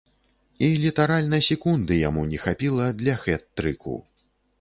І літаральна секунды яму не хапіла для хет-трыку.